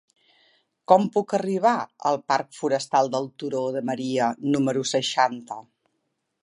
Com puc arribar al parc Forestal del Turó de Maria número seixanta?